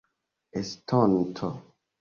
estonto